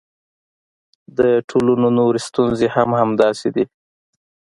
د ټولنو نورې ستونزې هم همداسې دي.